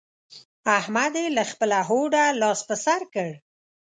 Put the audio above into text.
احمد يې له خپله هوډه لاس پر سر کړ.